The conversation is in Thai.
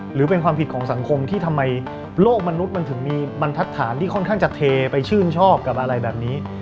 หรือเป็นความผิดของสังคมที่ทำไมโลกมนุษย์มันถึงมีบรรทัศนที่ค่อนข้างจะเทไปชื่นชอบกับอะไรแบบนี้